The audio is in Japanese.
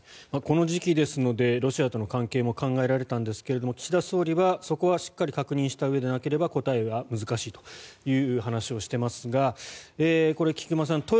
この時期ですのでロシアとの関係も考えられたんですが岸田総理はそこはしっかり確認したうえでなければ答えは難しいという話をしていますが菊間さん